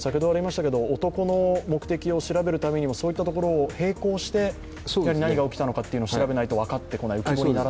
男の目的を調べるためにも、そういったところを並行して何が起きたのかを調べないと分からないと。